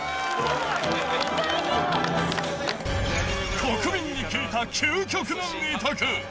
国民に聞いた究極の２択。